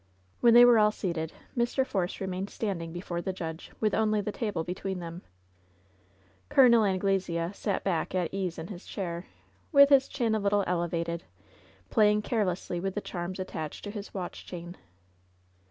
When they were all seated, Mr. Force remained stand ing before the judge, with only the table between them. Col. Anglesea sat back at ease in his chair, with his chin a little elevated, playing carelessly with the charms attached to his watch chain.